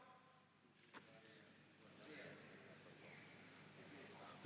โครงการเบื้องต้น